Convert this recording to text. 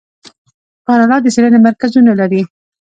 کاناډا د څیړنې مرکزونه لري.